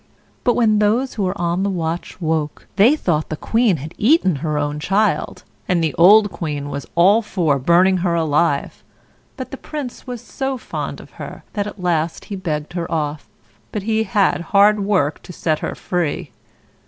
But when those who were on the watch woke, they thought the queen had eaten her own child, and the old queen was all for burning her alive, but the Prince was so fond of her that at last he begged her off, but he had hard work to set her free.